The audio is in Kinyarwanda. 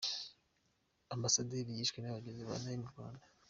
Ambasaderi yishwe n’abagizi ba nabi m u’rwanda